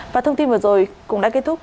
và thông tin vừa rồi cũng đã kết thúc